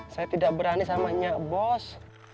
saya tidak berani sama nyak bos